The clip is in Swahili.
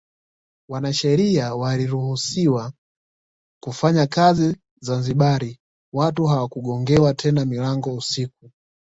Wanasheria waliruhusiwa kufanya kazi Zanzibar watu hawakugongewa tena milango usiku